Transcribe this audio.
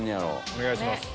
お願いします。